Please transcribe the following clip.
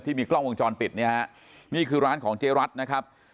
มีกล้องวงจรปิดเนี่ยฮะนี่คือร้านของเจ๊รัฐนะครับ